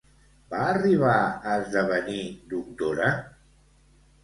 Va arribar a esdevenir doctora?